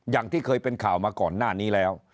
อย่างที่เคยเป็นข่าวมาก่อนหน้านี้แล้ว